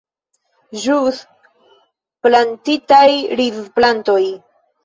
Ĵus plantitaj rizplantoj.